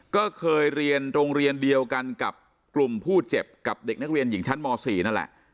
ก็เคยเรียนโรงเรียนเดียวกันกับกลุ่มผู้เจ็บกับเด็กนักเรียนหญิงชั้นม๔นั่นแหละ